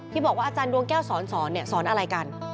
ที่บอกว่าอาจารย์ดวงแก้วสอนสอนอะไรกัน